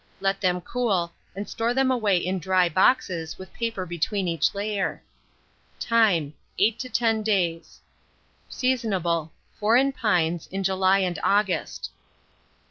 Let them cool, and store them away in dry boxes, with paper between each layer. Time. 8 to 10 days. Seasonable. Foreign pines, in July and August.